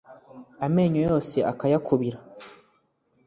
Amenyo yose akayakubira